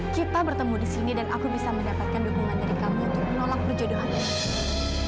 kita bertemu di sini dan aku bisa mendapatkan dukungan dari kamu untuk menolak perjodohannya